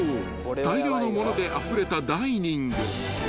［大量の物であふれたダイニング］